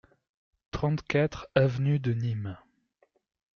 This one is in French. trente-quatre avenue de Nîmes